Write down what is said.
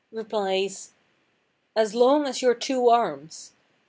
replies— "As long as your two arms.